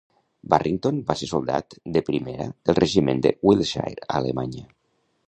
Barrington va ser soldat de primera del Regiment de Wiltshire a Alemanya.